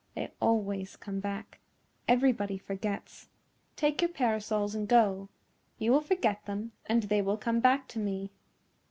"They always come back. Everybody forgets. Take your parasols and go. You will forget them and they will come back to me."